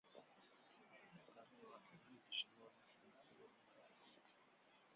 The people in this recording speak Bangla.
তার খালাতো ভাই ডিসেম্বর মাসে মৃত্যুবরণ করে।